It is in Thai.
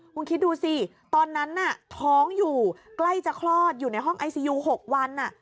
คุณคิดดูสิตอนนั้นน่ะท้องอยู่ใกล้จะคลอดอยู่ในห้องไอซียู๖วัน